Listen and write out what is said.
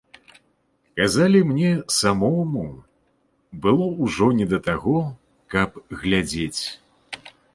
Казалі, мне самому было ўжо не да таго, каб глядзець.